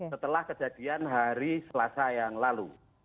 setelah kejadian hari selasa yang lalu